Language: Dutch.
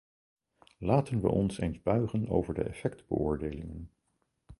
Laten we ons eens buigen over de effectbeoordelingen.